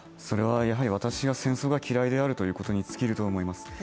それは私が戦争が嫌いであるということに尽きると思います。